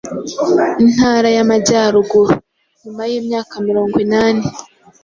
Intara y’Amajyaruguru. Nyuma y’imyaka mirongwinani